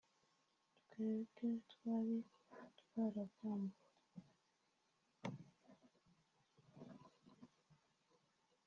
twebwe twari twarabwambuwe”